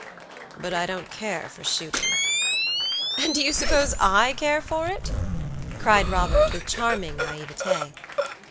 "But I don't care for shooting." "And do you suppose I care for it?" cried Robert, with charming naivete.